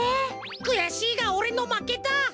くやしいがおれのまけだ。